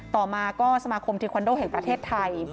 ต่อมาก็สมาคมเทควันโดแห่งประเทศไทย